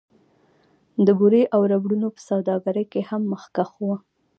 د بورې او ربړونو په سوداګرۍ کې هم مخکښ و